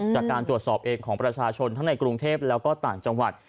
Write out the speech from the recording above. จากการตรวจสอบเองของประชาชนทั้งในกรุงเทพแล้วก็ต่างจังหวัด